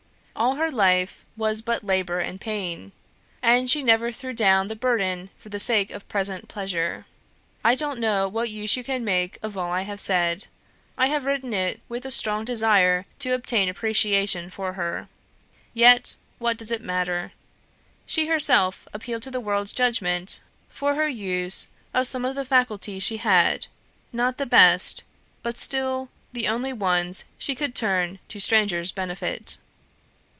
All her life was but labour and pain; and she never threw down the burden for the sake of present pleasure. I don't know what use you can make of all I have said. I have written it with the strong desire to obtain appreciation for her. Yet, what does it matter? She herself appealed to the world's judgment for her use of some of the faculties she had, not the best, but still the only ones she could turn to strangers' benefit.